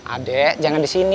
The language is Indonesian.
adek jangan disini